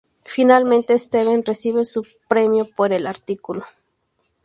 Finalmente, Steven recibe su premio por el artículo.